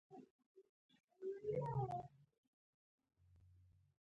ښه فکر د ښو پایلو سبب ګرځي.